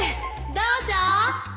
どうぞ